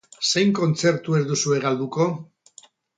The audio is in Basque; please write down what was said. Zein kontzertu ez duzue galduko?